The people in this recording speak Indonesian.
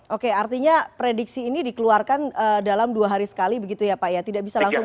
oke artinya prediksi ini dikeluarkan dalam dua hari sekali begitu ya pak ya